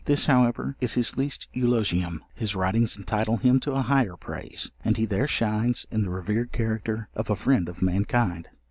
This, however, is his least eulogium: his writings entitle him to a higher praise; and he there shines in the revered character of a friend of mankind.